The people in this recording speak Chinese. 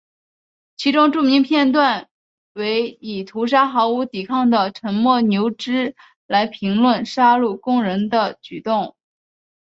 其中著名片段为以屠杀毫无抵抗的沉默牛只来评论杀戮工人的举动。